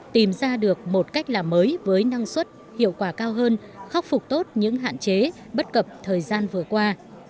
tìm ra được một cách làm mới với năng suất hiệu quả cao hơn khắc phục tốt những hạn chế bất cập thời gian vừa qua